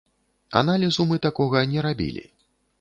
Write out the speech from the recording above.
Аналізу мы такога не рабілі.